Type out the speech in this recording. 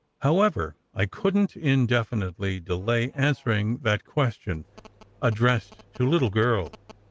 However, I couldn t indefinitely delay answering that question addressed to "little girl."